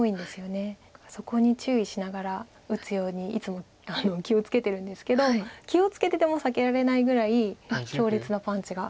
そこに注意しながら打つようにいつも気を付けてるんですけど気を付けてても避けられないぐらい強烈なパンチが。